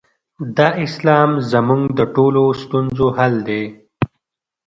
دا اسلام زموږ د ټولو ستونزو حل دی.